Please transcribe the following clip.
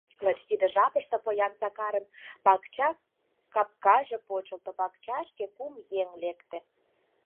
Лач тиде жапыште поян Сакарын пакча капкаже почылто, пакчашке кум еҥ лекте.